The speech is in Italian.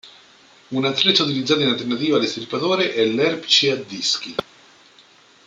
Un attrezzo utilizzato in alternativa all'estirpatore è l'erpice a dischi.